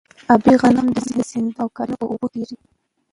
ابي غنم د سیندونو او کاریزونو په اوبو کیږي.